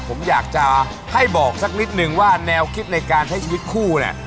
ผมอยากจะให้บอกสักนิดนึงว่าแนวคิดในการใช้ชีวิตคู่เนี่ย